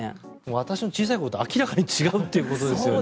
私の小さい頃と明らかに違うということですよね。